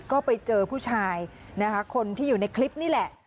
ก็ไปเจอผู้ชายนะคะคนที่อยู่ในคลิปนี่แหละ